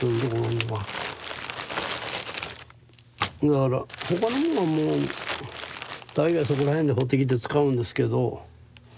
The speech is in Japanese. だから他のもんはもう大概そこら辺で掘ってきて使うんですけど。